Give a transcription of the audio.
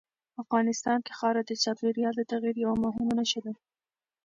افغانستان کې خاوره د چاپېریال د تغیر یوه مهمه نښه ده.